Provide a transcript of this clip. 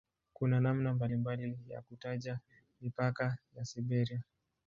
Kuna namna mbalimbali ya kutaja mipaka ya "Siberia".